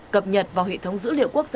cập nhật vào hệ thống dữ liệu quốc gia